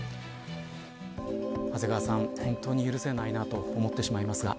長谷川さん、本当に許せないなと思ってしまいますが。